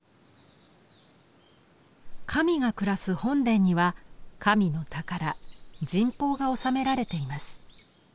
神が暮らす本殿には神の宝・神宝がおさめられています。